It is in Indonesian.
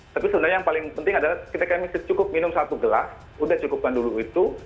tapi sebenarnya yang paling penting adalah ketika kami cukup minum satu gelas udah cukupkan dulu itu